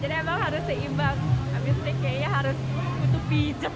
jadi memang harus seimbang habis dikeya harus kutu pijat gak sih